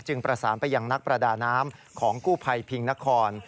ประสานไปยังนักประดาน้ำของกู้ภัยพิงนคร